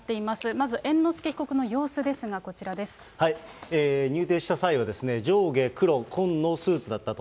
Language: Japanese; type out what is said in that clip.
まず猿之助被告の様子入廷した際は、上下黒、紺のスーツだったと。